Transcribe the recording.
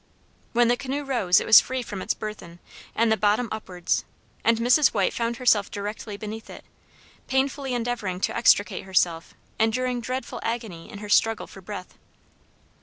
When the canoe rose, it was free from its burthen, and bottom upwards; and Mrs. White found herself directly beneath it, painfully endeavoring to extricate herself, enduring dreadful agony in her struggle for breath.